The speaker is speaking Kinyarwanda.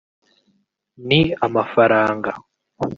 ni amafaranga